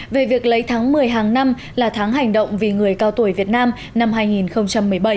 về việc lấy tháng một mươi hàng năm là tháng hành động vì người cao tuổi việt nam năm hai nghìn một mươi bảy